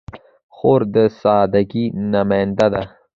خور د سادګۍ نماینده ده.